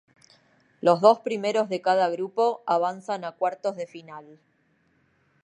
Los dos primeros de cada grupo avanzan a cuartos de final.